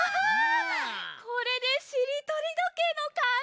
これでしりとりどけいのかんせいだわ。